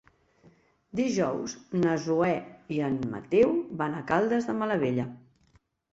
Dijous na Zoè i en Mateu van a Caldes de Malavella.